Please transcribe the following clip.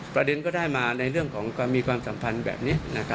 ก็ได้มาในเรื่องของความมีความสัมพันธ์แบบนี้